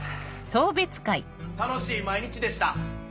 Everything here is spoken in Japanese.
楽しい毎日でした。